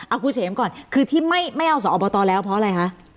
เอาคุณเสมก่อนคือที่ไม่เอาสอบตแล้วเพราะอะไรคะ